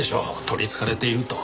取り憑かれていると。